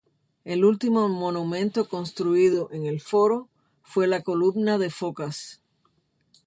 El último monumento construido en el Foro fue la Columna de Focas.